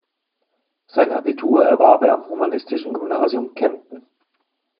Sein Abitur erwarb er am Humanistischen Gymnasium Kempten.